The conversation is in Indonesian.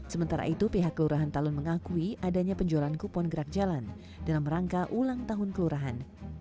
sementara itu pihak kelurahan talun mengakui adanya penjualan kupon gerak jalan dalam rangka ulang tahun kelurahan